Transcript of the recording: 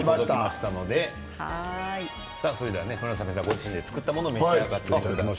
村雨さんはご自身で作ったものを召し上がってください。